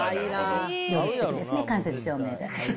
すてきですね、間接照明で。